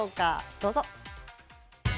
どうぞ。